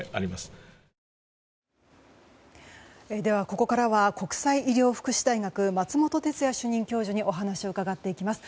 ここからは国際医療福祉大学松本哲哉主任教授にお話を伺っていきます。